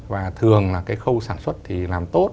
và thường là cái khâu sản xuất thì làm tốt